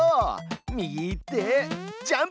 右行ってジャンプ！